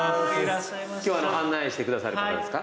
今日案内してくださる方ですか？